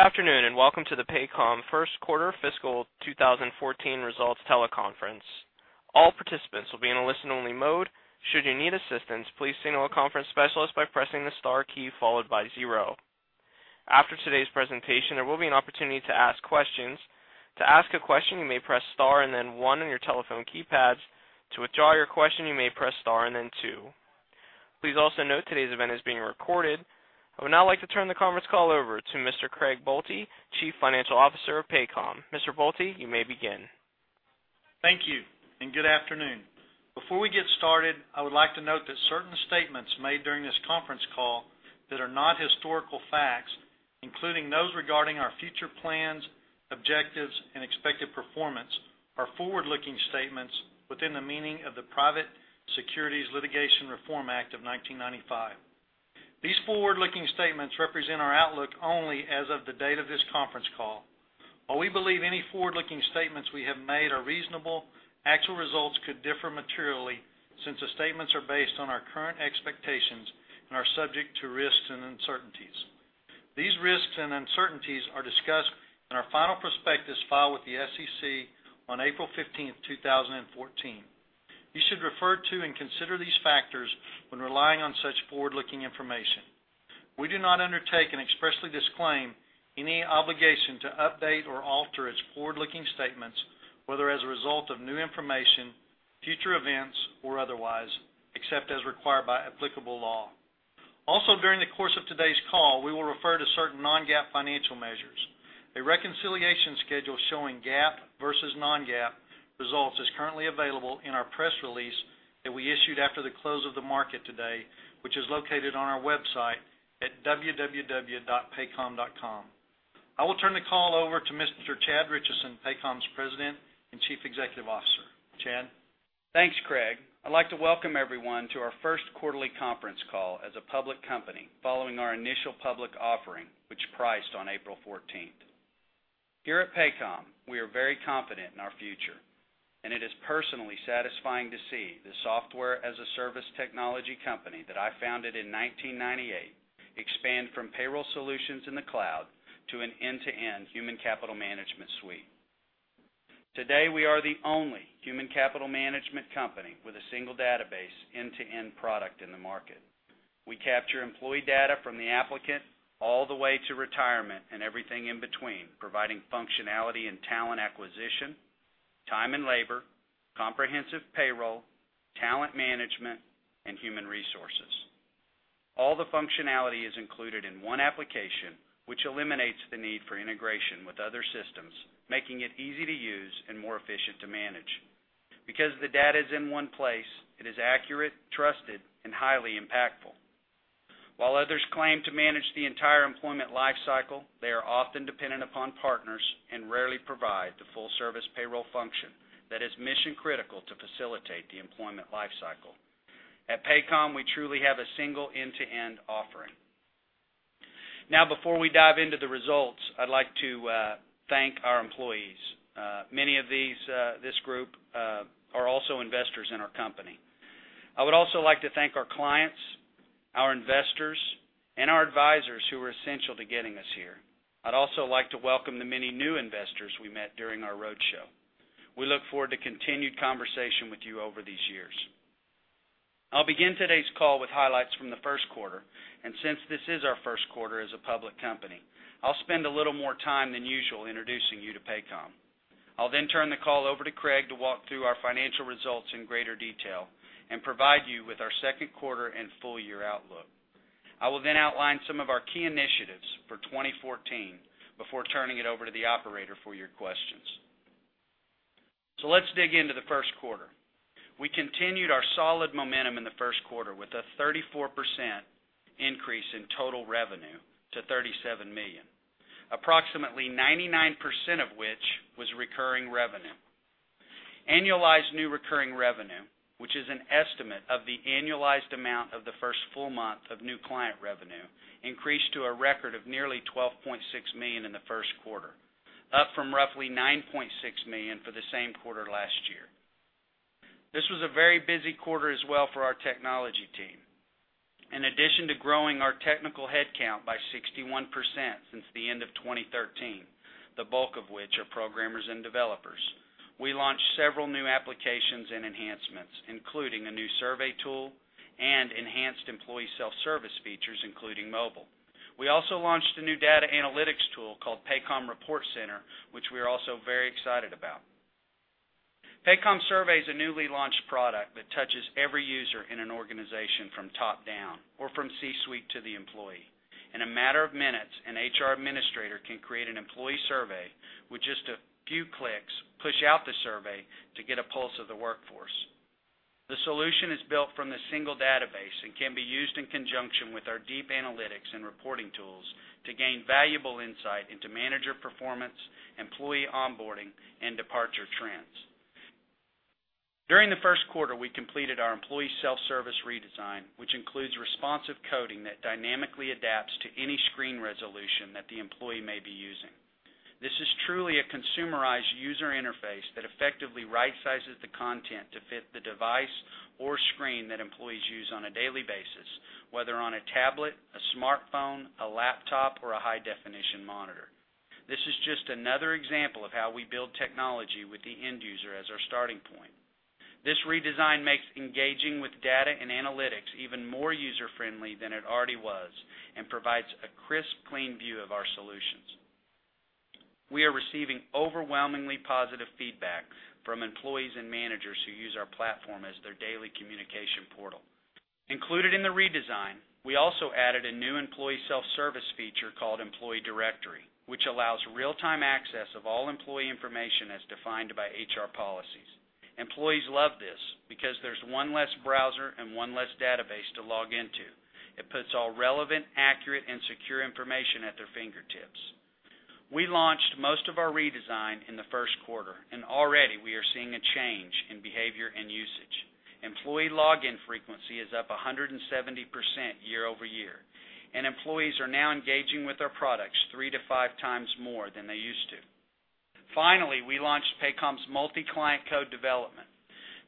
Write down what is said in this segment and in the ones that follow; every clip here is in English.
Welcome to the Paycom first quarter fiscal 2014 results teleconference. All participants will be in a listen-only mode. Should you need assistance, please signal a conference specialist by pressing the star key followed by 0. After today's presentation, there will be an opportunity to ask questions. To ask a question, you may press star and then 1 on your telephone keypads. To withdraw your question, you may press star and then 2. Please also note today's event is being recorded. I would now like to turn the conference call over to Mr. Craig E. Boelte, Chief Financial Officer of Paycom. Mr. Boelte, you may begin. Thank you. Good afternoon. Before we get started, I would like to note that certain statements made during this conference call that are not historical facts, including those regarding our future plans, objectives, and expected performance, are forward-looking statements within the meaning of the Private Securities Litigation Reform Act of 1995. These forward-looking statements represent our outlook only as of the date of this conference call. While we believe any forward-looking statements we have made are reasonable, actual results could differ materially since the statements are based on our current expectations and are subject to risks and uncertainties. These risks and uncertainties are discussed in our final prospectus filed with the SEC on April 15th, 2014. You should refer to and consider these factors when relying on such forward-looking information. We do not undertake and expressly disclaim any obligation to update or alter its forward-looking statements, whether as a result of new information, future events, or otherwise, except as required by applicable law. During the course of today's call, we will refer to certain non-GAAP financial measures. A reconciliation schedule showing GAAP versus non-GAAP results is currently available in our press release that we issued after the close of the market today, which is located on our website at www.paycom.com. I will turn the call over to Mr. Chad Richison, Paycom's President and Chief Executive Officer. Chad? Thanks, Craig. I'd like to welcome everyone to our first quarterly conference call as a public company following our initial public offering, which priced on April 14th. Here at Paycom, we are very confident in our future, and it is personally satisfying to see the software-as-a-service technology company that I founded in 1998 expand from payroll solutions in the cloud to an end-to-end human capital management suite. Today, we are the only human capital management company with a single database end-to-end product in the market. We capture employee data from the applicant all the way to retirement and everything in between, providing functionality and talent acquisition, time and labor, comprehensive payroll, talent management, and human resources. All the functionality is included in one application, which eliminates the need for integration with other systems, making it easy to use and more efficient to manage. Because the data is in one place, it is accurate, trusted, and highly impactful. While others claim to manage the entire employment life cycle, they are often dependent upon partners and rarely provide the full-service payroll function that is mission-critical to facilitate the employment life cycle. At Paycom, we truly have a single end-to-end offering. Before we dive into the results, I'd like to thank our employees. Many of this group are also investors in our company. I would also like to thank our clients, our investors, and our advisors who were essential to getting us here. I'd also like to welcome the many new investors we met during our roadshow. We look forward to continued conversation with you over these years. I'll begin today's call with highlights from the first quarter. Since this is our first quarter as a public company, I'll spend a little more time than usual introducing you to Paycom. I'll turn the call over to Craig to walk through our financial results in greater detail and provide you with our second quarter and full-year outlook. I will outline some of our key initiatives for 2014 before turning it over to the operator for your questions. Let's dig into the first quarter. We continued our solid momentum in the first quarter with a 34% increase in total revenue to $37 million, approximately 99% of which was recurring revenue. Annualized new recurring revenue, which is an estimate of the annualized amount of the first full month of new client revenue, increased to a record of nearly $12.6 million in the first quarter, up from roughly $9.6 million for the same quarter last year. This was a very busy quarter as well for our technology team. In addition to growing our technical headcount by 61% since the end of 2013, the bulk of which are programmers and developers, we launched several new applications and enhancements, including a new survey tool and enhanced employee self-service features, including mobile. We also launched a new data analytics tool called Paycom Report Center, which we are also very excited about. Paycom Survey is a newly launched product that touches every user in an organization from top down or from C-suite to the employee. In a matter of minutes, an HR administrator can create an employee survey with just a few clicks, push out the survey to get a pulse of the workforce. The solution is built from the single database and can be used in conjunction with our deep analytics and reporting tools to gain valuable insight into manager performance, employee onboarding, and departure trends. During the first quarter, we completed our employee self-service redesign, which includes responsive coding that dynamically adapts to any screen resolution that the employee may be using. A consumerized user interface that effectively right-sizes the content to fit the device or screen that employees use on a daily basis, whether on a tablet, a smartphone, a laptop, or a high-definition monitor. This is just another example of how we build technology with the end user as our starting point. This redesign makes engaging with data and analytics even more user-friendly than it already was and provides a crisp, clean view of our solutions. We are receiving overwhelmingly positive feedback from employees and managers who use our platform as their daily communication portal. Included in the redesign, we also added a new employee self-service feature called Employee Directory, which allows real-time access of all employee information as defined by HR policies. Employees love this because there's one less browser and one less database to log into. It puts all relevant, accurate, and secure information at their fingertips. We launched most of our redesign in the first quarter, and already we are seeing a change in behavior and usage. Employee login frequency is up 170% year-over-year, and employees are now engaging with our products three to five times more than they used to. Finally, we launched Paycom's multi-client code development.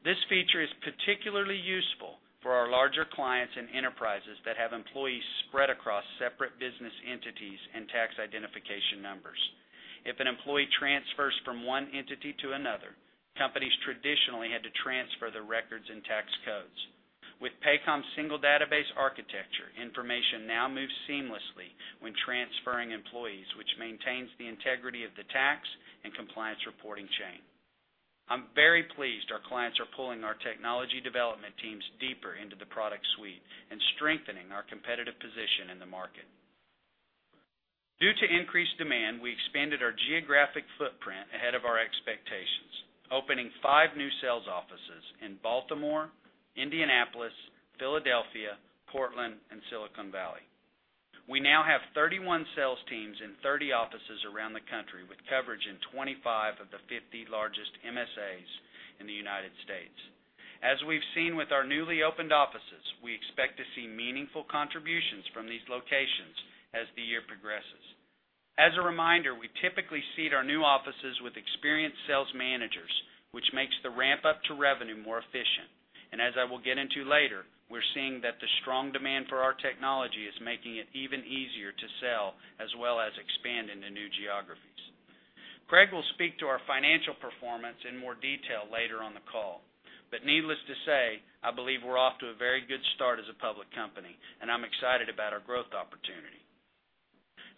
This feature is particularly useful for our larger clients and enterprises that have employees spread across separate business entities and tax identification numbers. If an employee transfers from one entity to another, companies traditionally had to transfer their records and tax codes. With Paycom's single database architecture, information now moves seamlessly when transferring employees, which maintains the integrity of the tax and compliance reporting chain. I'm very pleased our clients are pulling our technology development teams deeper into the product suite and strengthening our competitive position in the market. Due to increased demand, we expanded our geographic footprint ahead of our expectations, opening five new sales offices in Baltimore, Indianapolis, Philadelphia, Portland, and Silicon Valley. We now have 31 sales teams in 30 offices around the country, with coverage in 25 of the 50 largest MSAs in the U.S. As we've seen with our newly opened offices, we expect to see meaningful contributions from these locations as the year progresses. As a reminder, we typically seat our new offices with experienced sales managers, which makes the ramp-up to revenue more efficient. As I will get into later, we're seeing that the strong demand for our technology is making it even easier to sell as well as expand into new geographies. Craig will speak to our financial performance in more detail later on the call. Needless to say, I believe we're off to a very good start as a public company, and I'm excited about our growth opportunity.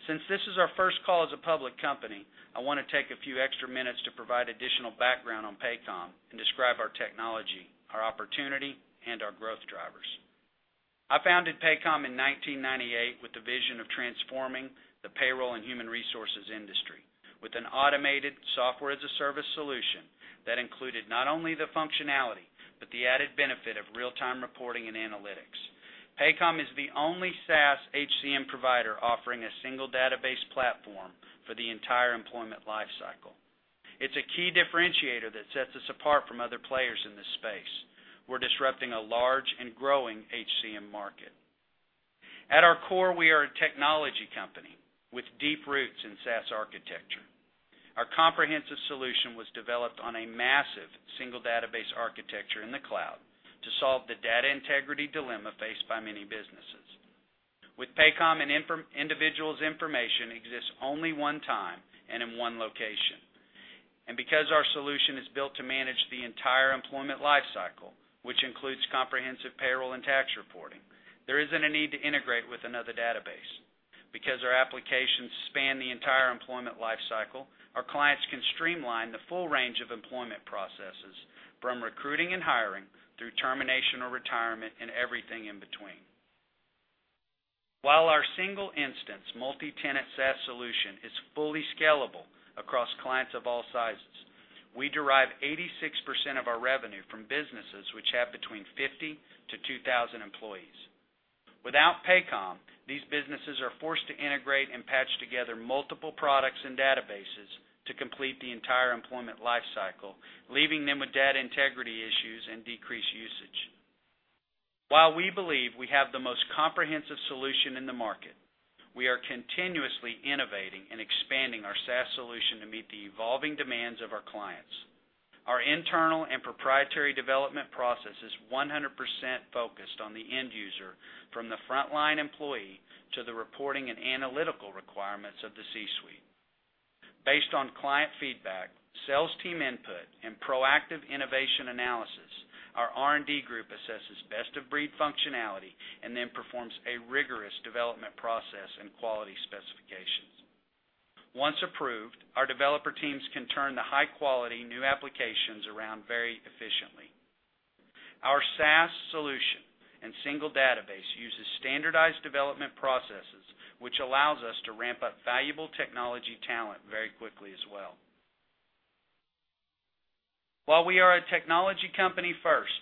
Since this is our first call as a public company, I want to take a few extra minutes to provide additional background on Paycom and describe our technology, our opportunity, and our growth drivers. I founded Paycom in 1998 with the vision of transforming the payroll and human resources industry with an automated Software as a Service solution that included not only the functionality, but the added benefit of real-time reporting and analytics. Paycom is the only SaaS HCM provider offering a single database platform for the entire employment lifecycle. It's a key differentiator that sets us apart from other players in this space. We're disrupting a large and growing HCM market. At our core, we are a technology company with deep roots in SaaS architecture. Our comprehensive solution was developed on a massive single database architecture in the cloud to solve the data integrity dilemma faced by many businesses. With Paycom, an individual's information exists only one time and in one location. Because our solution is built to manage the entire employment lifecycle, which includes comprehensive payroll and tax reporting, there isn't a need to integrate with another database. Because our applications span the entire employment lifecycle, our clients can streamline the full range of employment processes from recruiting and hiring through termination or retirement and everything in between. While our single instance multi-tenant SaaS solution is fully scalable across clients of all sizes, we derive 86% of our revenue from businesses which have between 50 to 2,000 employees. Without Paycom, these businesses are forced to integrate and patch together multiple products and databases to complete the entire employment lifecycle, leaving them with data integrity issues and decreased usage. While we believe we have the most comprehensive solution in the market, we are continuously innovating and expanding our SaaS solution to meet the evolving demands of our clients. Our internal and proprietary development process is 100% focused on the end user from the frontline employee to the reporting and analytical requirements of the C-suite. Based on client feedback, sales team input, and proactive innovation analysis, our R&D group assesses best-of-breed functionality and then performs a rigorous development process and quality specifications. Once approved, our developer teams can turn the high-quality new applications around very efficiently. Our SaaS solution and single database uses standardized development processes, which allows us to ramp up valuable technology talent very quickly as well. While we are a technology company first,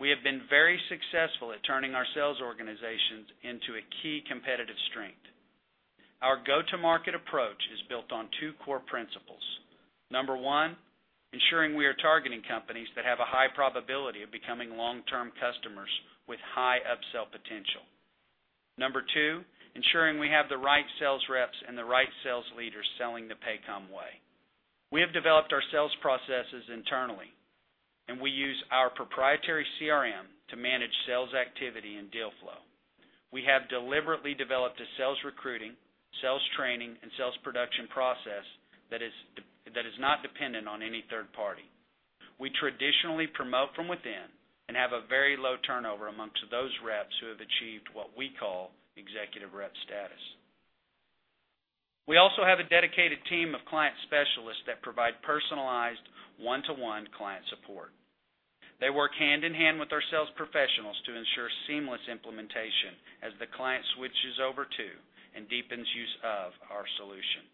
we have been very successful at turning our sales organizations into a key competitive strength. Our go-to-market approach is built on two core principles. Number one, ensuring we are targeting companies that have a high probability of becoming long-term customers with high upsell potential. Number two, ensuring we have the right sales reps and the right sales leaders selling the Paycom way. We have developed our sales processes internally, and we use our proprietary CRM to manage sales activity and deal flow. We have deliberately developed a sales recruiting, sales training, and sales production process that is not dependent on any third party. We traditionally promote from within and have a very low turnover amongst those reps who have achieved what we call executive rep status. We also have a dedicated team of client specialists that provide personalized, one-to-one client support. They work hand-in-hand with our sales professionals to ensure seamless implementation as the client switches over to and deepens use of our solution.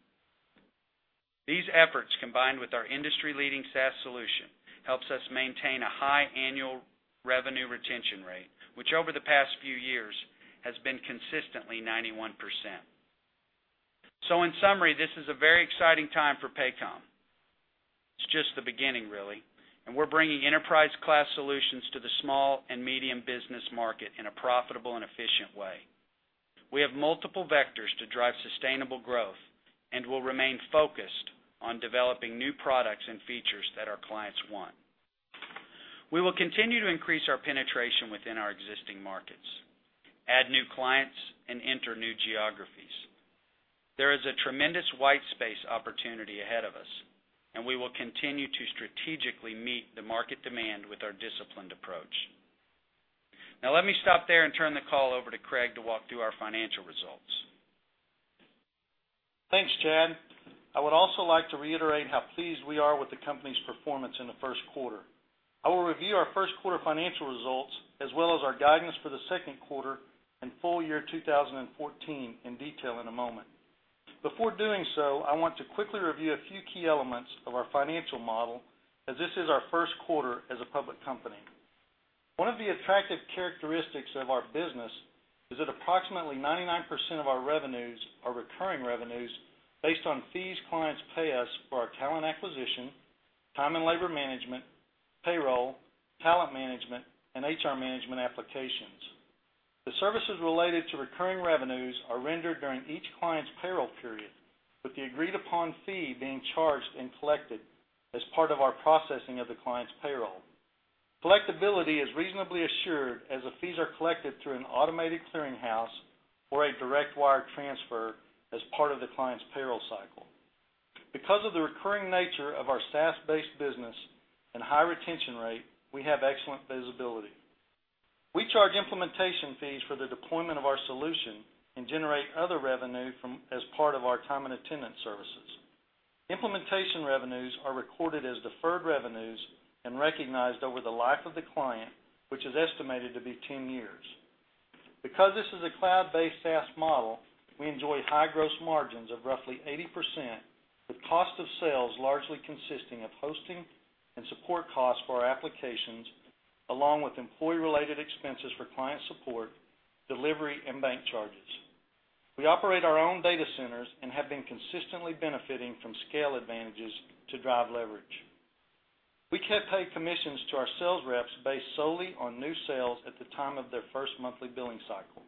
These efforts, combined with our industry-leading SaaS solution, helps us maintain a high annual revenue retention rate, which over the past few years has been consistently 91%. In summary, this is a very exciting time for Paycom. It's just the beginning, really, and we're bringing enterprise-class solutions to the small and medium business market in a profitable and efficient way. We have multiple vectors to drive sustainable growth and will remain focused on developing new products and features that our clients want. We will continue to increase our penetration within our existing markets, add new clients, and enter new geographies. There is a tremendous white space opportunity ahead of us, and we will continue to strategically meet the market demand with our disciplined approach. Now let me stop there and turn the call over to Craig to walk through our financial results. Thanks, Chad. I would also like to reiterate how pleased we are with the company's performance in the first quarter. I will review our first quarter financial results, as well as our guidance for the second quarter and full year 2014 in detail in a moment. Before doing so, I want to quickly review a few key elements of our financial model, as this is our first quarter as a public company. One of the attractive characteristics of our business is that approximately 99% of our revenues are recurring revenues based on fees clients pay us for our talent acquisition, time and labor management, payroll, talent management, and HR management applications. The services related to recurring revenues are rendered during each client's payroll period, with the agreed-upon fee being charged and collected as part of our processing of the client's payroll. Collectibility is reasonably assured as the fees are collected through an automated clearinghouse or a direct wire transfer as part of the client's payroll cycle. Because of the recurring nature of our SaaS-based business and high retention rate, we have excellent visibility. We charge implementation fees for the deployment of our solution and generate other revenue as part of our time and attendance services. Implementation revenues are recorded as deferred revenues and recognized over the life of the client, which is estimated to be 10 years. Because this is a cloud-based SaaS model, we enjoy high gross margins of roughly 80%, with cost of sales largely consisting of hosting and support costs for our applications, along with employee-related expenses for client support, delivery, and bank charges. We operate our own data centers and have been consistently benefiting from scale advantages to drive leverage. We can pay commissions to our sales reps based solely on new sales at the time of their first monthly billing cycle.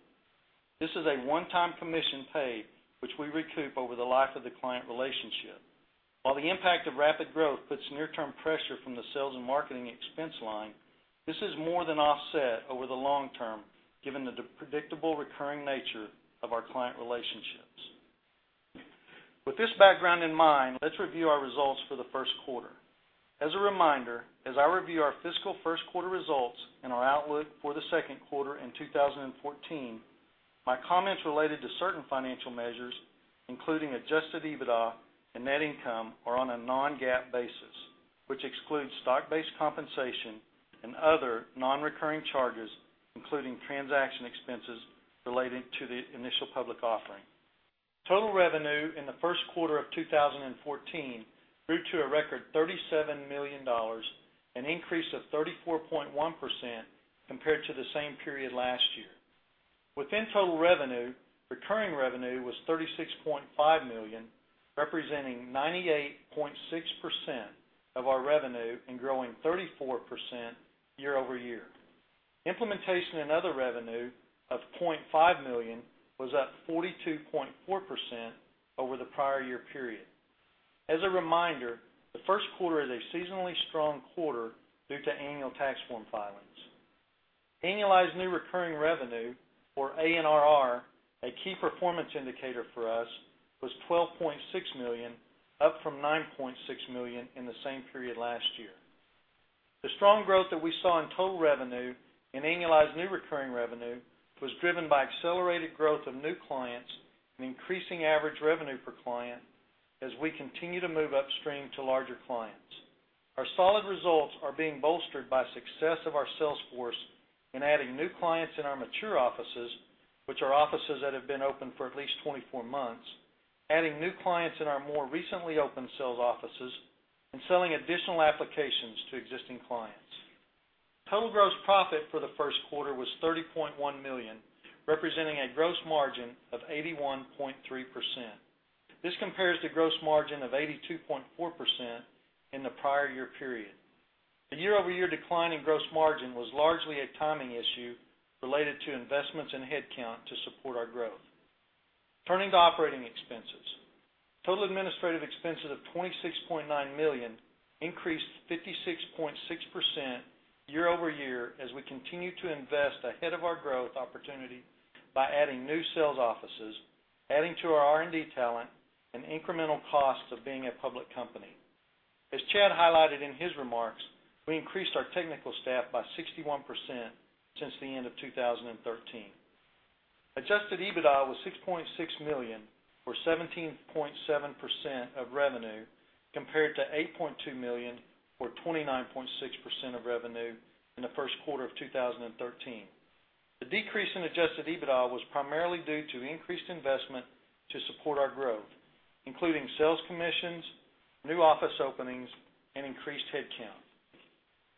This is a one-time commission paid, which we recoup over the life of the client relationship. While the impact of rapid growth puts near-term pressure from the sales and marketing expense line, this is more than offset over the long term, given the predictable recurring nature of our client relationships. With this background in mind, let's review our results for the first quarter. As a reminder, as I review our fiscal first quarter results and our outlook for the second quarter in 2014, my comments related to certain financial measures, including adjusted EBITDA and net income, are on a non-GAAP basis, which excludes stock-based compensation and other non-recurring charges, including transaction expenses related to the initial public offering. Total revenue in the first quarter of 2014 grew to a record $37 million, an increase of 34.1% compared to the same period last year. Within total revenue, recurring revenue was $36.5 million, representing 98.6% of our revenue, and growing 34% year-over-year. Implementation and other revenue of $0.5 million was up 42.4% over the prior year period. As a reminder, the first quarter is a seasonally strong quarter due to annual tax form filings. Annualized new recurring revenue, or ANRR, a key performance indicator for us, was $12.6 million, up from $9.6 million in the same period last year. The strong growth that we saw in total revenue and annualized new recurring revenue was driven by accelerated growth of new clients and increasing average revenue per client as we continue to move upstream to larger clients. Our solid results are being bolstered by success of our sales force in adding new clients in our mature offices, which are offices that have been open for at least 24 months, adding new clients in our more recently opened sales offices, and selling additional applications to existing clients. Total gross profit for the first quarter was $30.1 million, representing a gross margin of 81.3%. This compares to gross margin of 82.4% in the prior year period. The year-over-year decline in gross margin was largely a timing issue related to investments in headcount to support our growth. Turning to operating expenses. Total administrative expenses of $26.9 million increased 56.6% year-over-year as we continue to invest ahead of our growth opportunity by adding new sales offices, adding to our R&D talent, and incremental costs of being a public company. As Chad highlighted in his remarks, we increased our technical staff by 61% since the end of 2013. Adjusted EBITDA was $6.6 million, or 17.7% of revenue, compared to $8.2 million, or 29.6% of revenue in the first quarter of 2013. The decrease in adjusted EBITDA was primarily due to increased investment to support our growth, including sales commissions, new office openings, and increased headcount.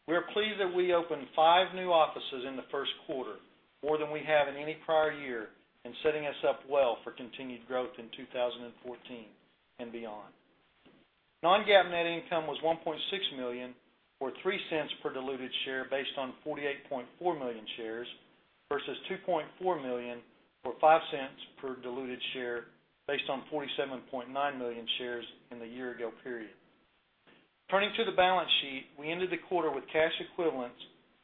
We are pleased that we opened five new offices in the first quarter, more than we have in any prior year, and setting us up well for continued growth in 2014 and beyond. Non-GAAP net income was $1.6 million, or $0.03 per diluted share based on 48.4 million shares, versus $2.4 million, or $0.05 per diluted share, based on 47.9 million shares in the year-ago period. Turning to the balance sheet, we ended the quarter with cash equivalents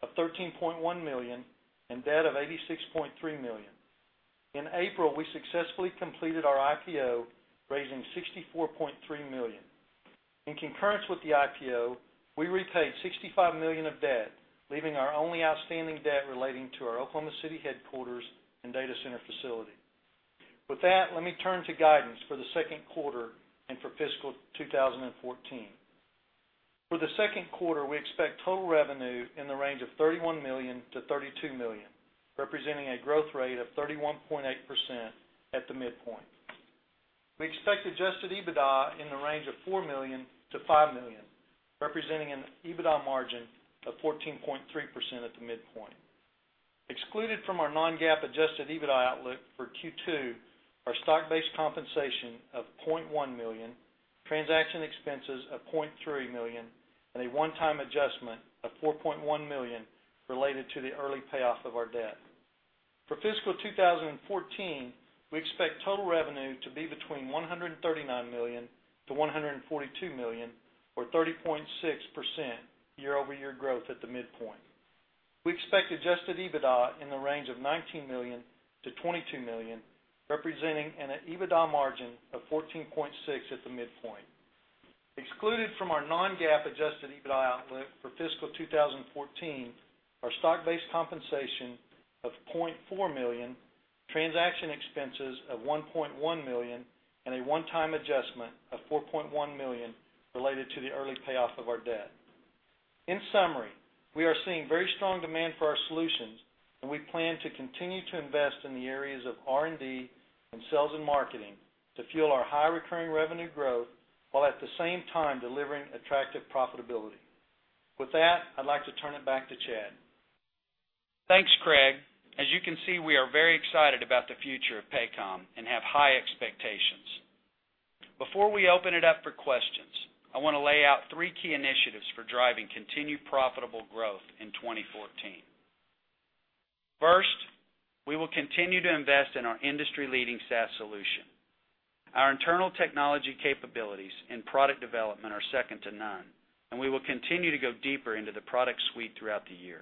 of $13.1 million and debt of $86.3 million. In April, we successfully completed our IPO, raising $64.3 million. In concurrence with the IPO, we repaid $65 million of debt, leaving our only outstanding debt relating to our Oklahoma City headquarters and data center facility. With that, let me turn to guidance for the second quarter and for fiscal 2014. For the second quarter, we expect total revenue in the range of $31 million-$32 million, representing a growth rate of 31.8% at the midpoint. We expect adjusted EBITDA in the range of $4 million-$5 million, representing an EBITDA margin of 14.3% at the midpoint. Excluded from our non-GAAP adjusted EBITDA outlook for Q2 are stock-based compensation of $0.1 million, transaction expenses of $0.3 million, and a one-time adjustment of $4.1 million related to the early payoff of our debt. For fiscal 2014, we expect total revenue to be between $139 million-$142 million, or 30.6% year-over-year growth at the midpoint. We expect adjusted EBITDA in the range of $19 million-$22 million, representing an EBITDA margin of 14.6% at the midpoint. Excluded from our non-GAAP adjusted EBITDA outlook for fiscal 2014 are stock-based compensation of $0.4 million, transaction expenses of $1.1 million, and a one-time adjustment of $4.1 million related to the early payoff of our debt. In summary, we are seeing very strong demand for our solutions, and we plan to continue to invest in the areas of R&D and sales and marketing to fuel our high recurring revenue growth, while at the same time delivering attractive profitability. With that, I'd like to turn it back to Chad. Thanks, Craig. As you can see, we are very excited about the future of Paycom and have high expectations. Before we open it up for questions, I want to lay out three key initiatives for driving continued profitable growth in 2014. First, we will continue to invest in our industry-leading SaaS solution. Our internal technology capabilities and product development are second to none, and we will continue to go deeper into the product suite throughout the year.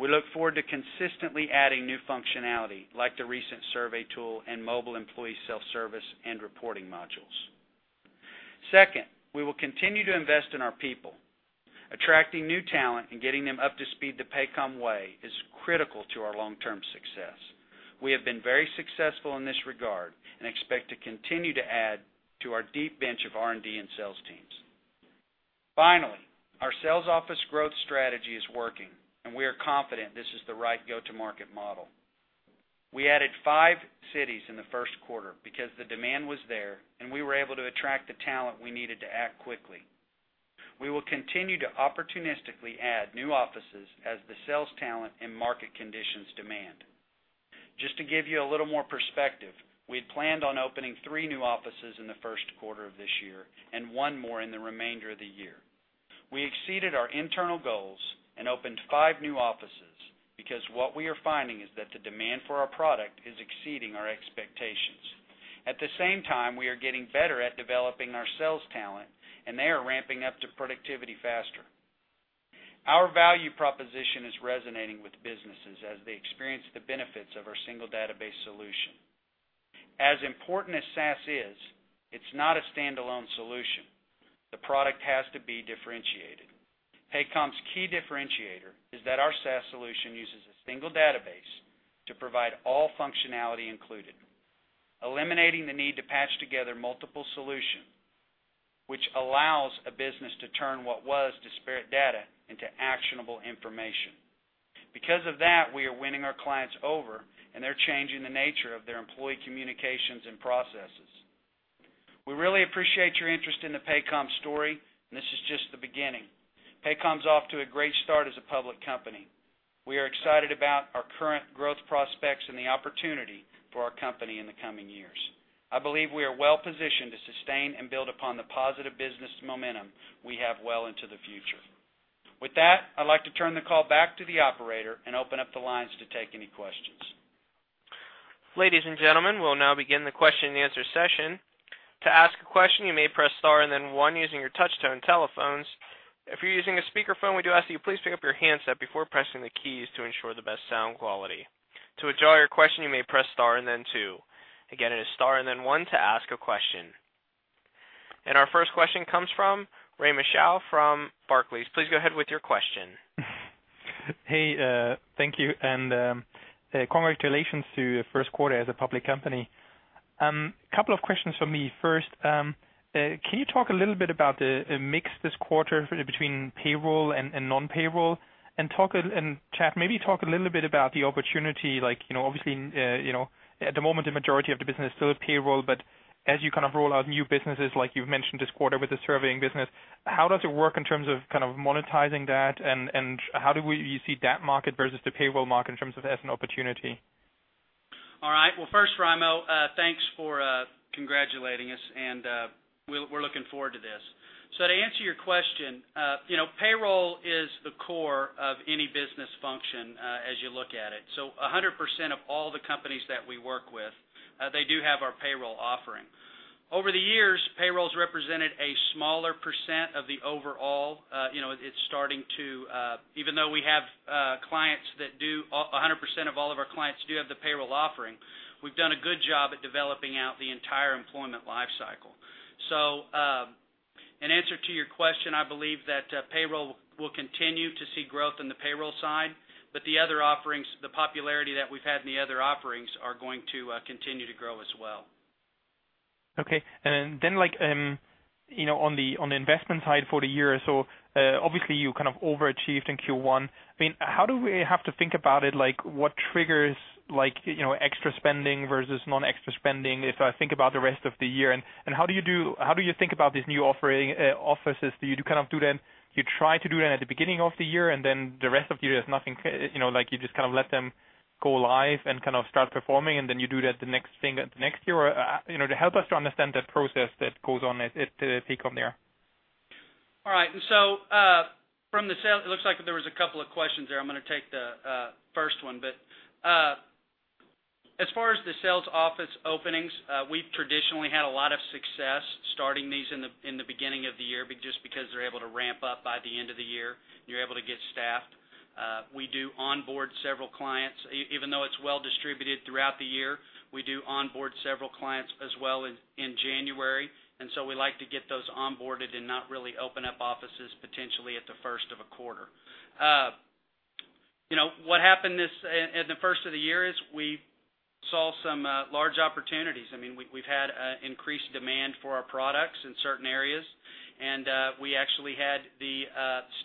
We look forward to consistently adding new functionality, like the recent Paycom Survey and mobile employee self-service and reporting modules. Second, we will continue to invest in our people. Attracting new talent and getting them up to speed the Paycom way is critical to our long-term success. We have been very successful in this regard and expect to continue to add to our deep bench of R&D and sales teams. Finally, our sales office growth strategy is working, and we are confident this is the right go-to-market model. We added five cities in the first quarter because the demand was there, and we were able to attract the talent we needed to act quickly. We will continue to opportunistically add new offices as the sales talent and market conditions demand. Just to give you a little more perspective, we had planned on opening three new offices in the first quarter of this year and one more in the remainder of the year. We exceeded our internal goals and opened five new offices because what we are finding is that the demand for our product is exceeding our expectations. At the same time, we are getting better at developing our sales talent, and they are ramping up to productivity faster. Our value proposition is resonating with businesses as they experience the benefits of our single database solution. As important as SaaS is, it's not a standalone solution. The product has to be differentiated. Paycom's key differentiator is that our SaaS solution uses a single database to provide all functionality included, eliminating the need to patch together multiple solution, which allows a business to turn what was disparate data into actionable information. Because of that, we are winning our clients over, and they're changing the nature of their employee communications and processes. We really appreciate your interest in the Paycom story, and this is just the beginning. Paycom's off to a great start as a public company. We are excited about our current and the opportunity for our company in the coming years. I believe we are well-positioned to sustain and build upon the positive business momentum we have well into the future. With that, I'd like to turn the call back to the operator and open up the lines to take any questions. Ladies and gentlemen, we'll now begin the question and answer session. To ask a question, you may press star and then one using your touch-tone telephones. If you're using a speakerphone, we do ask that you please pick up your handset before pressing the keys to ensure the best sound quality. To withdraw your question, you may press star and then two. Again, it is star and then one to ask a question. Our first question comes from Raimo Lenschow from Barclays. Please go ahead with your question. Hey, thank you. Congratulations to your first quarter as a public company. Couple of questions from me. First, can you talk a little bit about the mix this quarter between payroll and non-payroll? Chad, maybe talk a little bit about the opportunity. Obviously, at the moment, the majority of the business is still payroll, but as you roll out new businesses, like you've mentioned this quarter with the surveying business, how does it work in terms of monetizing that and how do you see that market versus the payroll market in terms of as an opportunity? All right. Well, first Raimo, thanks for congratulating us. We're looking forward to this. To answer your question, payroll is the core of any business function as you look at it. 100% of all the companies that we work with, they do have our payroll offering. Over the years, payroll's represented a smaller % of the overall. Even though 100% of all of our clients do have the payroll offering, we've done a good job at developing out the entire employment life cycle. In answer to your question, I believe that payroll will continue to see growth in the payroll side, the popularity that we've had in the other offerings are going to continue to grow as well. Okay. Then on the investment side for the year or so, obviously you overachieved in Q1. How do we have to think about it? What triggers extra spending versus non-extra spending if I think about the rest of the year, and how do you think about these new offices? Do you try to do that at the beginning of the year, and then the rest of the year, you just let them go live and start performing, and then you do that the next year? Or to help us to understand that process that goes on at Paycom there. All right. It looks like there was a couple of questions there. I'm going to take the first one, as far as the sales office openings, we've traditionally had a lot of success starting these in the beginning of the year just because they're able to ramp up by the end of the year, and you're able to get staffed. We do onboard several clients. Even though it's well distributed throughout the year, we do onboard several clients as well in January, so we like to get those onboarded and not really open up offices potentially at the first of a quarter. What happened at the first of the year is we saw some large opportunities. We've had increased demand for our products in certain areas, and we actually had the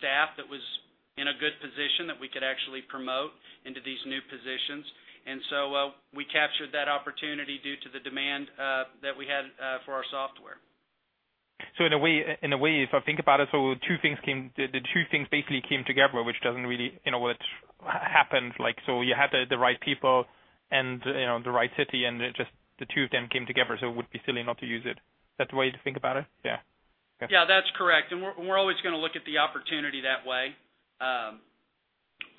staff that was in a good position that we could actually promote into these new positions. So, we captured that opportunity due to the demand that we had for our software. In a way, if I think about it, the two things basically came together, which happens, you had the right people and the right city and the two of them came together, it would be silly not to use it. Is that the way to think about it? Yeah. Okay. Yeah. That's correct. We're always going to look at the opportunity that way.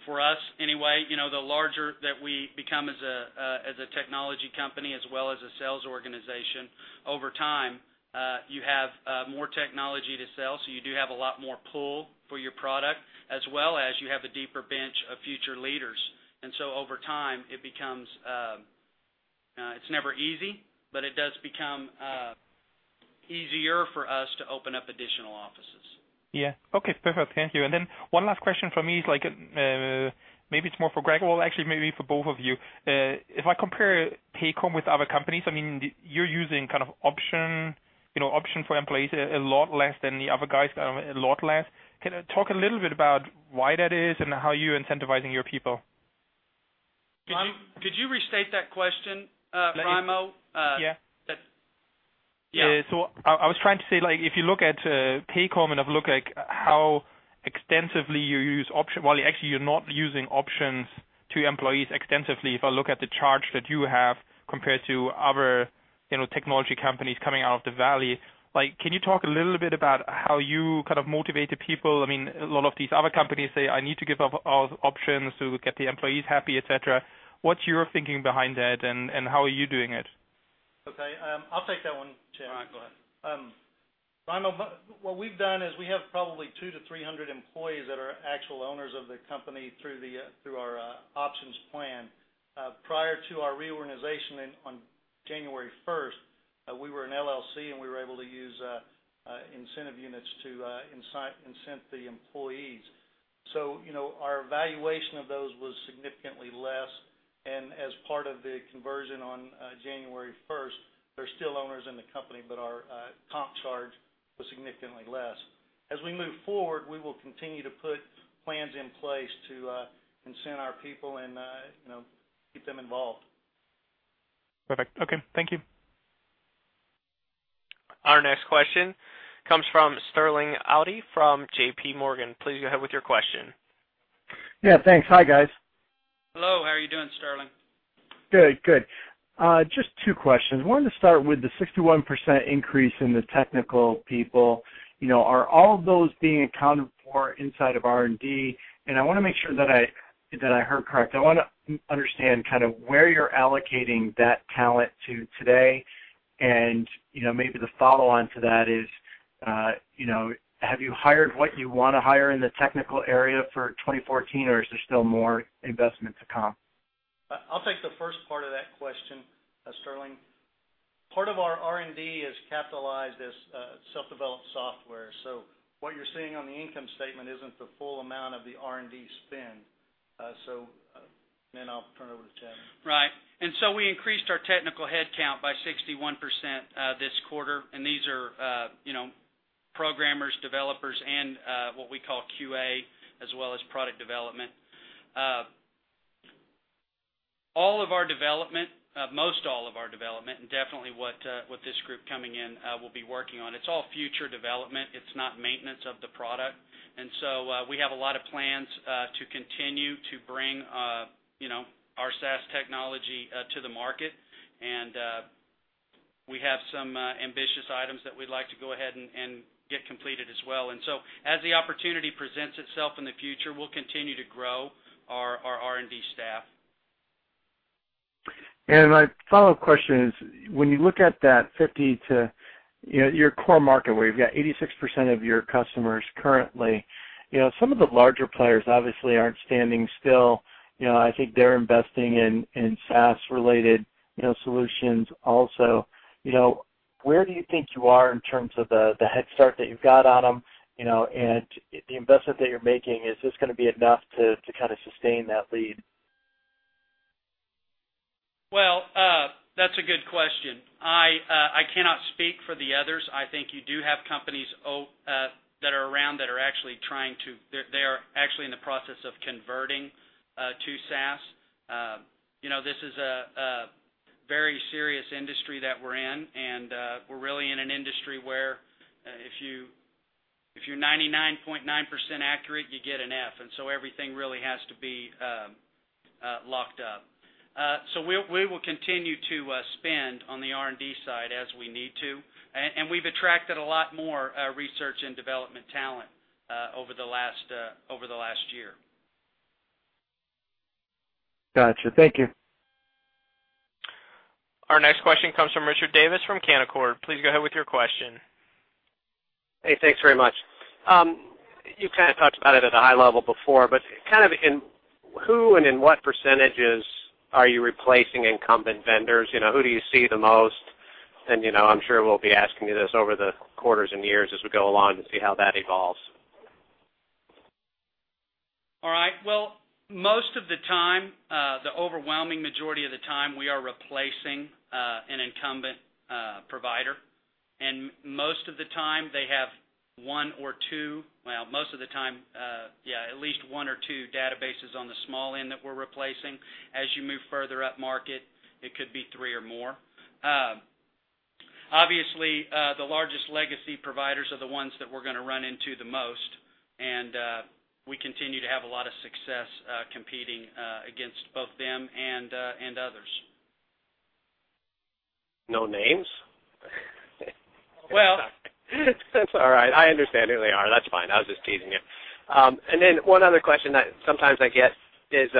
For us anyway, the larger that we become as a technology company as well as a sales organization, over time, you have more technology to sell, so you do have a lot more pull for your product, as well as you have a deeper bench of future leaders. Over time, it's never easy, but it does become easier for us to open up additional offices. Yeah. Okay, perfect. Thank you. One last question from me is, maybe it's more for Craig, well, actually maybe for both of you. If I compare Paycom with other companies, you're using option for employees a lot less than the other guys. Can you talk a little bit about why that is and how you're incentivizing your people? Could you restate that question, Raimo? Yeah. Yeah. I was trying to say, if you look at Paycom and look at how extensively you use option. Well, actually, you're not using options to employees extensively. If I look at the charge that you have compared to other technology companies coming out of the Valley, can you talk a little bit about how you motivate the people? A lot of these other companies say, "I need to give out options to get the employees happy," et cetera. What's your thinking behind that, and how are you doing it? Okay. I'll take that one, Chad. All right, go ahead. Raimo, what we've done is we have probably 200 to 300 employees that are actual owners of the company through our options plan. Prior to our reorganization on January 1st, we were an LLC, and we were able to use incentive units to incent the employees. Our valuation of those was significantly less, and as part of the conversion on January 1st, they're still owners in the company, but our comp charge was significantly less. As we move forward, we will continue to put plans in place to incent our people and keep them involved. Perfect. Okay. Thank you. Our next question comes from Sterling Auty from J.P. Morgan. Please go ahead with your question. Yeah, thanks. Hi, guys. Hello. How are you doing, Sterling? Good. Just two questions. I wanted to start with the 61% increase in the technical people. Are all of those being accounted for inside of R&D? I want to make sure that I heard correct. I want to understand where you're allocating that talent to today. Maybe the follow-on to that is, have you hired what you want to hire in the technical area for 2014, or is there still more investment to come? I'll take the first part of that question, Sterling. Part of our R&D is capitalized as self-developed software. What you're seeing on the income statement isn't the full amount of the R&D spend. I'll turn it over to Chad. Right. We increased our technical headcount by 61% this quarter. These are programmers, developers, and what we call QA, as well as product development. Most all of our development, and definitely what this group coming in will be working on, it's all future development. It's not maintenance of the product. We have a lot of plans to continue to bring our SaaS technology to the market, and we have some ambitious items that we'd like to go ahead and get completed as well. As the opportunity presents itself in the future, we'll continue to grow our R&D staff. My follow-up question is, when you look at that 50 to your core market where you've got 86% of your customers currently, some of the larger players obviously aren't standing still. I think they're investing in SaaS-related solutions also. Where do you think you are in terms of the head start that you've got on them, and the investment that you're making, is this going to be enough to sustain that lead? Well, that's a good question. I cannot speak for the others. I think you do have companies that are around that are actually in the process of converting to SaaS. This is a very serious industry that we're in, and we're really in an industry where if you're 99.9% accurate, you get an F. Everything really has to be locked up. We will continue to spend on the R&D side as we need to. We've attracted a lot more research and development talent over the last year. Got you. Thank you. Our next question comes from Richard Davis from Canaccord. Please go ahead with your question. Hey, thanks very much. Who and in what percentages are you replacing incumbent vendors? Who do you see the most? I'm sure we'll be asking you this over the quarters and years as we go along to see how that evolves. All right. Well, most of the time, the overwhelming majority of the time, we are replacing an incumbent provider. Most of the time, they have at least one or two databases on the small end that we're replacing. As you move further up market, it could be three or more. Obviously, the largest legacy providers are the ones that we're going to run into the most. We continue to have a lot of success competing against both them and others. No names? Well That's all right. I understand who they are. That's fine. I was just teasing you. One other question that sometimes I get is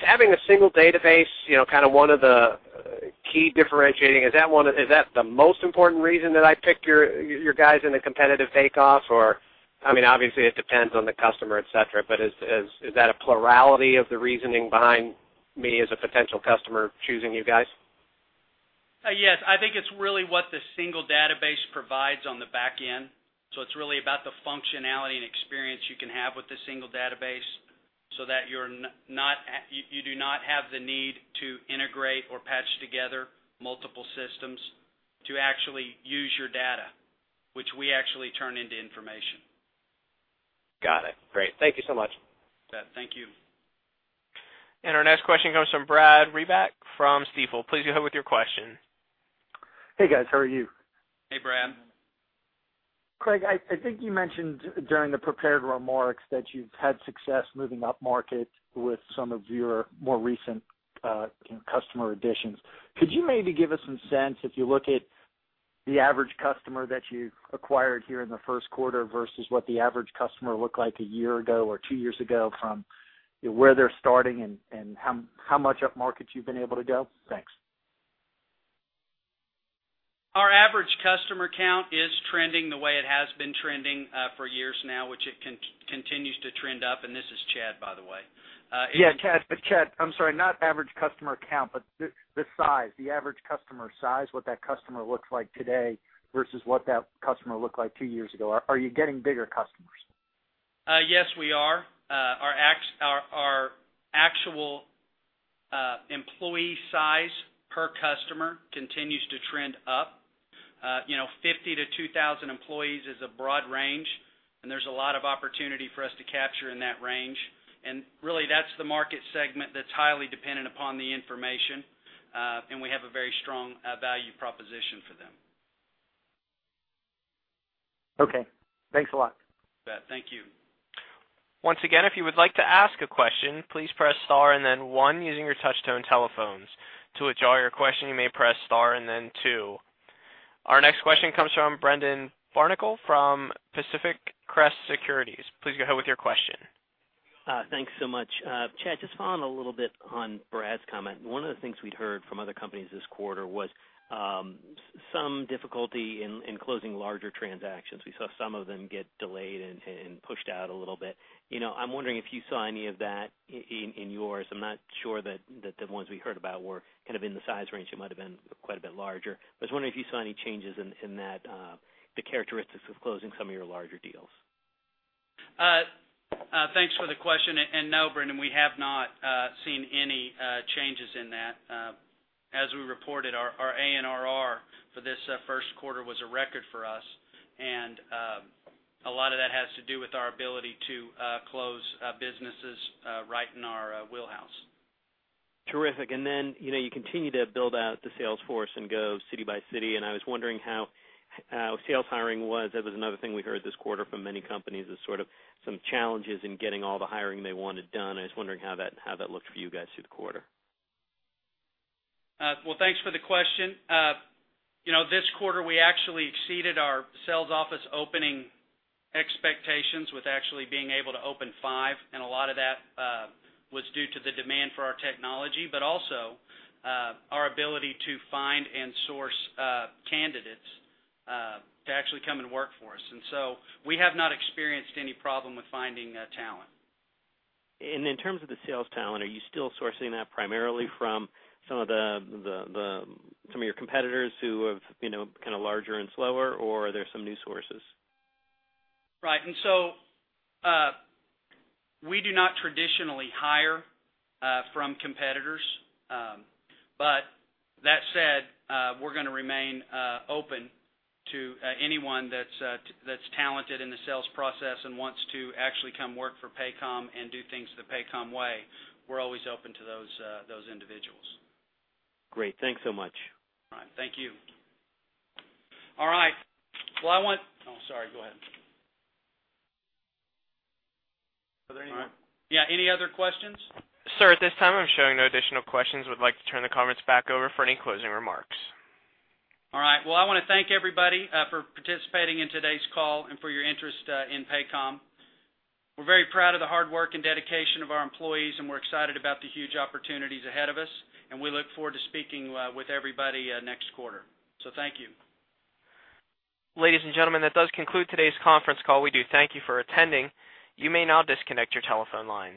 having a single database one of the key differentiating? Is that the most important reason that I pick your guys in a competitive takeoff, or Obviously, it depends on the customer, et cetera, but is that a plurality of the reasoning behind me as a potential customer choosing you guys? Yes. I think it's really what the single database provides on the back end. It's really about the functionality and experience you can have with the single database, so that you do not have the need to integrate or patch together multiple systems to actually use your data, which we actually turn into information. Got it. Great. Thank you so much. Thank you. Our next question comes from Brad Reback from Stifel. Please go ahead with your question. Hey, guys. How are you? Hey, Brad. Craig, I think you mentioned during the prepared remarks that you've had success moving up market with some of your more recent customer additions. Could you maybe give us some sense, if you look at the average customer that you acquired here in the first quarter versus what the average customer looked like a year ago or two years ago, from where they're starting and how much up market you've been able to go? Thanks. Our average customer count is trending the way it has been trending for years now, which it continues to trend up. This is Chad, by the way. Yeah, Chad, I'm sorry, not average customer count, but the size. The average customer size, what that customer looks like today versus what that customer looked like two years ago. Are you getting bigger customers? Yes, we are. Our actual employee size per customer continues to trend up. 50 to 2,000 employees is a broad range. There's a lot of opportunity for us to capture in that range. Really, that's the market segment that's highly dependent upon the information. We have a very strong value proposition for them. Okay. Thanks a lot. You bet. Thank you. Once again, if you would like to ask a question, please press star and then one using your touch-tone telephones. To withdraw your question, you may press star and then two. Our next question comes from Brendan Barnicle from Pacific Crest Securities. Please go ahead with your question. Thanks so much. Chad, just following a little bit on Brad's comment. One of the things we'd heard from other companies this quarter was some difficulty in closing larger transactions. We saw some of them get delayed and pushed out a little bit. I'm wondering if you saw any of that in yours. I'm not sure that the ones we heard about were kind of in the size range. It might have been quite a bit larger. I was wondering if you saw any changes in the characteristics of closing some of your larger deals. Thanks for the question. No, Brendan, we have not seen any changes in that. As we reported, our ANRR for this first quarter was a record for us, and a lot of that has to do with our ability to close businesses right in our wheelhouse. Terrific. You continue to build out the sales force and go city by city, I was wondering how sales hiring was. That was another thing we heard this quarter from many companies, is sort of some challenges in getting all the hiring they wanted done. I was wondering how that looked for you guys through the quarter. Well, thanks for the question. This quarter, we actually exceeded our sales office opening expectations with actually being able to open five, and a lot of that was due to the demand for our technology, but also our ability to find and source candidates to actually come and work for us. We have not experienced any problem with finding talent. In terms of the sales talent, are you still sourcing that primarily from some of your competitors who have kind of larger and slower, or are there some new sources? Right. We do not traditionally hire from competitors. That said, we're going to remain open to anyone that's talented in the sales process and wants to actually come work for Paycom and do things the Paycom way. We're always open to those individuals. Great. Thanks so much. All right. Thank you. All right. Oh, sorry. Go ahead. Are there any more? All right. Yeah. Any other questions? Sir, at this time, I'm showing no additional questions. Would like to turn the conference back over for any closing remarks. All right. Well, I want to thank everybody for participating in today's call and for your interest in Paycom. We're very proud of the hard work and dedication of our employees, and we're excited about the huge opportunities ahead of us, and we look forward to speaking with everybody next quarter. Thank you. Ladies and gentlemen, that does conclude today's conference call. We do thank you for attending. You may now disconnect your telephone lines.